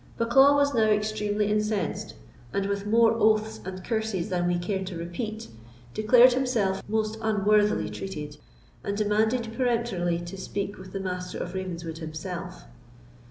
Bucklaw was now extremely incensed, and with more oaths and curses than we care to repeat, declared himself most unworthily treated, and demanded peremptorily to speak with the Master of Ravenswood himself.